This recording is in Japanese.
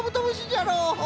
じゃろう。